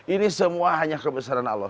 ini semua hanya kebesaran allah